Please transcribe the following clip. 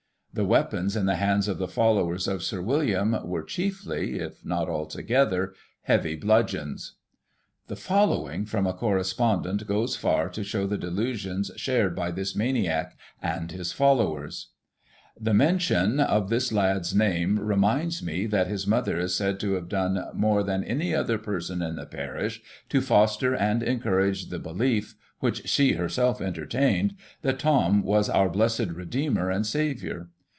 The weapons in the hands of the followers of Sir William, were chiefly, if not altogether, heavy bludgeons." The following, from a correspondent, goes far to show the delusions shared by this maniac and his followers: "The mention of this lad's name, reminds me that his mother is said to have done more than any other person in the parish to foster and encourage the belief which she herself entertained, that Thom was our blessed Redeemer and Saviour.